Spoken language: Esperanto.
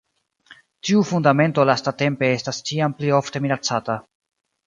Tiu fundamento lastatempe estas ĉiam pli ofte minacata.